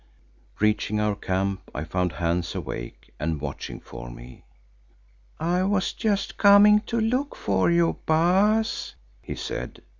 Reaching our camp I found Hans awake and watching for me. "I was just coming to look for you, Baas," he said.